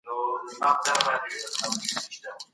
استاد وویل چي هر کار په تدبیر سره کيږي.